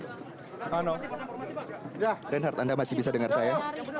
renhardt anda masih bisa dengar saya